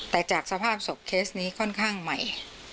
แต่จากสภาพศพเคสนี้ค่อนข้างใหม่